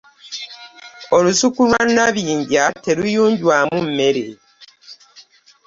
Olusuku lwa Nabinja teluyunjwamu mmere